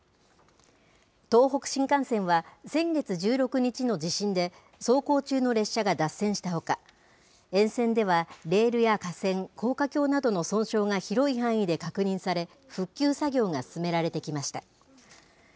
東北新幹線は先月１６日の地震で、走行中の列車が脱線したほか、沿線ではレールや架線、高架橋などの損傷が広い範囲で確認され、復旧作業が進められてきました。